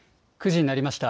９時になりました。